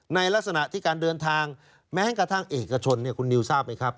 ในลักษณะที่การเดินทางแม้กระทั่งเอกชนเนี่ยคุณนิวทราบไหมครับ